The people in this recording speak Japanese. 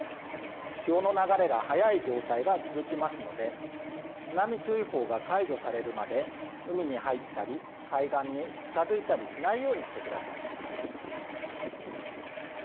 潮の流れが速い状態が続きますので津波注意報が解除されるまで海に入ったり、海岸に近づいたりしないようにしてください。